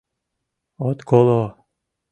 — От коло!